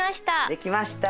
できました！